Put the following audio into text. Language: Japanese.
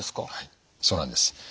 はいそうなんです。